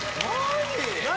何？